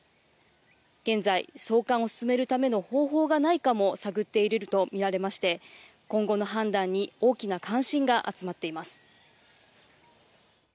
現在、送還を進めるための方法がないかも探っていると見られまして、今後の判断に大きな関心が集まっています。